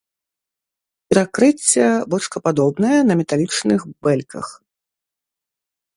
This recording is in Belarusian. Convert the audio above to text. Перакрыцце бочкападобнае на металічных бэльках.